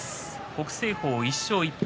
北青鵬、１勝１敗